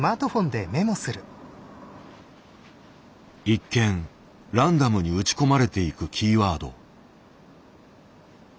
一見ランダムに打ち込まれていくキーワード。